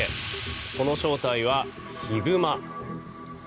その正体はヒグマ。